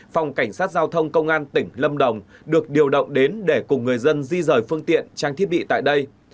phòng cảnh sát giao thông công an tỉnh lâm đồng được điều động đến để cùng người dân di rời phương tiện trang thiết bị tại đây